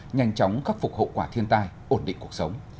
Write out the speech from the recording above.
nhanh chóng khắc phục hậu quả thiên tai ổn định cuộc sống